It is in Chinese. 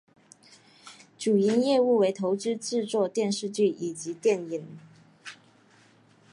主营业务为投资制作电视剧以及电影。